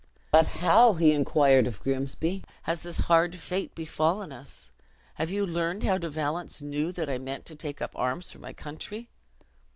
"But how," inquired he of Grimsby, "has this hard fate befallen us? Have you learned how De Valence knew that I meant to take up arms for my country?"